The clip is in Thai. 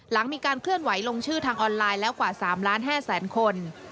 หลังมีการเคลื่อนไหวลงชื่อทางออนไลน์แล้วกว่า๓ล้าน๕แสนคน